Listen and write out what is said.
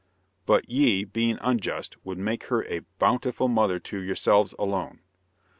But, ye being unjust, would make her a bountiful mother to yourselves alone.